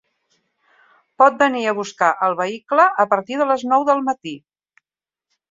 Pot venir a buscar el vehicle a partir de les nou del matí.